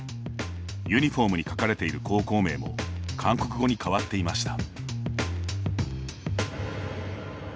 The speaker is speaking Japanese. ユニフォーム書かれている高校名も韓国語に変わっていました。